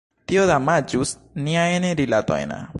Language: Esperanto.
Tio damaĝus niajn rilatojn.